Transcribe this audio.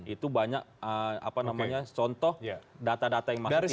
itu banyak contoh data data yang tidak sesuai